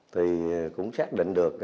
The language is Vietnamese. thì cũng xác định được